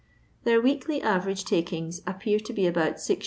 their weekly average takings appear to be about 6i.